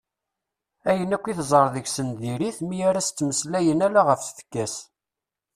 Ayen akk i teẓẓar deg-sen diri-t mi ara as-d-ttmeslayen ala ɣef tfekka-s.